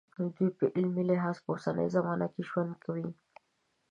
دوی په عملي لحاظ په اوسنۍ زمانه کې ژوند کوي.